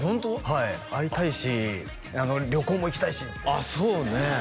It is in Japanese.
はい会いたいし旅行も行きたいしってあっそうね